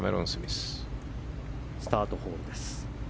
スタートホールです。